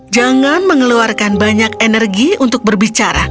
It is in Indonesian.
jangan mengeluarkan banyak energi untuk berbicara